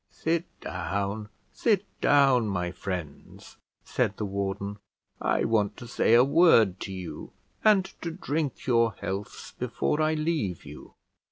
"Sit down, sit down, my friends," said the warden; "I want to say a word to you and to drink your healths, before I leave you.